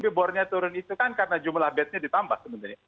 tapi bornya turun itu kan karena jumlah bednya ditambah sebenarnya